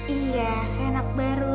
iya saya anak baru